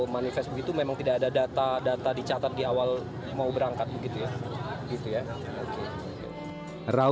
posisinya waktu itu di mana